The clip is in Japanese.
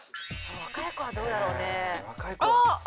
若い子はどうだろうね。